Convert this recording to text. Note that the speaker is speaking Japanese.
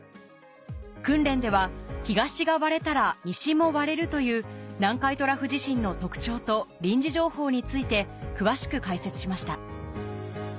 訓練では東が割れたら西も割れるという南海トラフ地震の特徴と臨時情報について詳しく解説しました